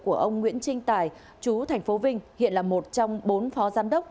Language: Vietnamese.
của ông nguyễn trinh tài chú tp vinh hiện là một trong bốn phó giám đốc